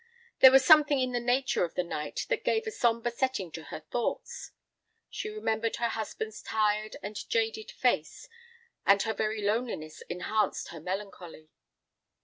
There was something in the nature of the night that gave a sombre setting to her thoughts. She remembered her husband's tired and jaded face, and her very loneliness enhanced her melancholy.